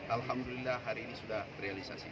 alhamdulillah hari ini sudah terrealisasi